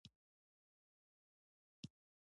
او پرې عمل وشي.